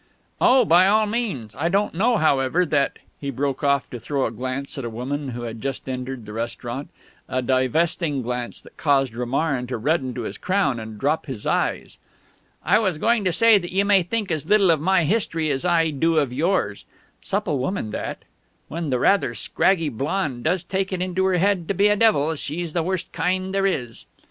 "Oh, by all means. I don't know, however, that " he broke off to throw a glance at a woman who had just entered the restaurant a divesting glance that caused Romarin to redden to his crown and drop his eyes. "I was going to say that you may think as little of my history as I do of yours. Supple woman that; when the rather scraggy blonde does take it into her head to be a devil she's the worst kind there is...."